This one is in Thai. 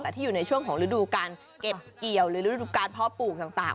แต่ที่อยู่ในช่วงของฤดูการเก็บเกี่ยวหรือฤดูการเพาะปลูกต่าง